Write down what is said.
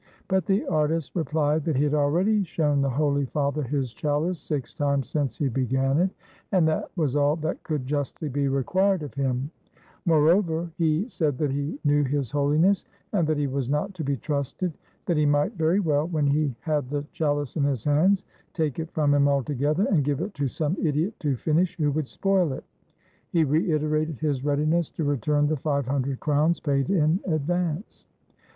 But the artist replied that he had already shown the Holy Father his chahce six times since he began it, and that was all that could justly be required of him; moreover, he said that he knew His HoHness, and that he was not to be trusted; that he might very well, when he had the chalice in his hands, take it from him altogether, and give it to some idiot to finish, who would spoil it. He reiterated his readiness to return the five hundred crowns paid in advance.